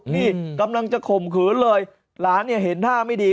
นี่กำลังจะข่มขืนเลยหลานเนี่ยเห็นท่าไม่ดี